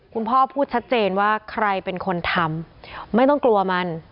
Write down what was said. พ่อพูดชัดเจนว่าใครเป็นคนทำไม่ต้องกลัวมัน